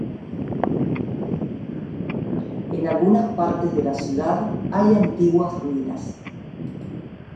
En algunas partes de la ciudad hay antiguas ruinas.